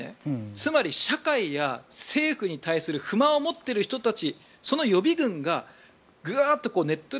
つまり社会や政府に対する不満を持っている人たちその予備軍がグワッとネットで。